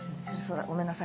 ごめんなさい。